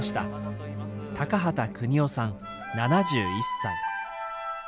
畑邦男さん７１歳。